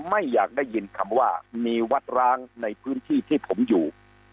ไม่อยากได้ยินคำว่ามีวัดร้างในพื้นที่ที่ผมอยู่